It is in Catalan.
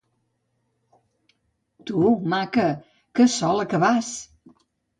Tu, maca, que sola que vas...